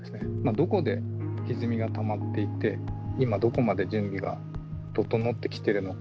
どこでひずみがたまっていて今どこまで準備が整ってきてるのか。